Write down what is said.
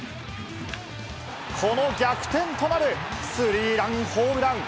この逆転となるスリーランホームラン。